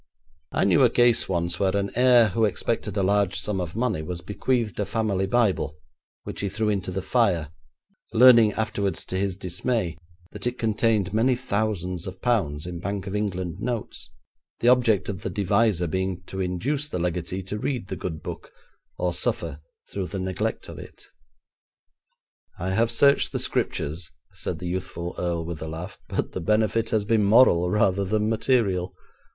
'I knew a case once where an heir who expected a large sum of money was bequeathed a family Bible, which he threw into the fire, learning afterwards, to his dismay, that it contained many thousands of pounds in Bank of England notes, the object of the devisor being to induce the legatee to read the good Book or suffer through the neglect of it.' 'I have searched the Scriptures,' said the youthful Earl with a laugh, 'but the benefit has been moral rather than material.'